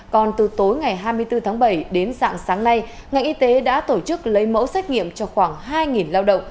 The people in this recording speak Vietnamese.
còn từ tối ngày hai mươi bốn tháng bảy đến dạng sáng nay ngành y tế đã tổ chức lấy mẫu xét nghiệm cho khoảng hai lao động